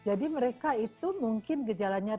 jadi mereka itu mungkin gejalanya ringan